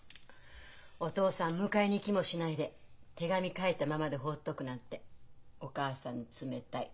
「お父さん迎えに行きもしないで手紙書いたままで放っとくなんてお母さん冷たい」。